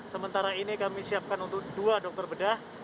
sementara ini kami siapkan untuk dua dokter bedah